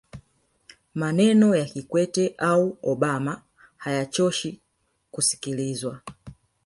maneno ya kikwete au obama hayachoshi kusikilizwa